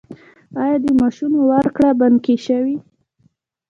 آیا د معاشونو ورکړه بانکي شوې؟